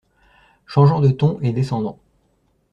Changeant de ton et descendant.